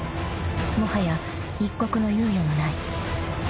［もはや一刻の猶予もない］